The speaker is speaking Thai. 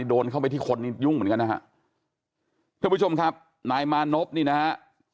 โดนเข้าไปที่คนยุ่งเหมือนกันนะครับเพื่อนผู้ชมครับนายมานพนี่นะครับ